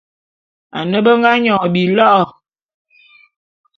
Ane be nga nyon bilo'o.